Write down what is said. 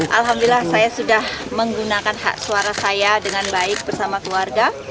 alhamdulillah saya sudah menggunakan hak suara saya dengan baik bersama keluarga